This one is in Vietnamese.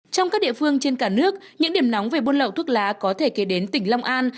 trong các địa phương trên cả nước những điểm nóng về buôn lậu thuốc lá có thể kể đến tỉnh long an